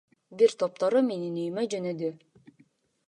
Бир топтору менин үйүмө жөнөдү.